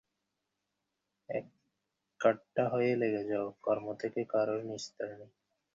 এককাট্টা হয়ে লেগে যাও, কর্ম থেকে কারও নিস্তার নেই।